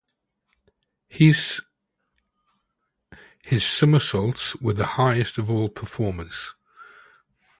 His somersaults were the highest of all performers.